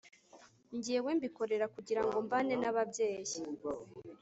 njywe mbikorera kugirango mbane nababyeyi